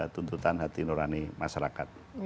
tuntutan hati nurani masyarakat